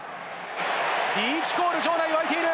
リーチコール、場内沸いている。